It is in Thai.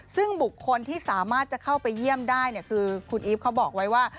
ซึ่งบุคคลที่สามารถจะเข้าไปเยี่ยมได้คือคุณอีฟเขาบอกไว้ว่า